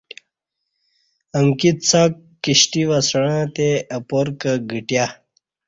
امکی څک کشتی وسݩگعتے تئے اپار کہ گِھٹیہ